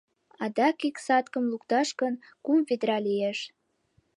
Адак ик саткым луктам гын, кум ведра лиеш...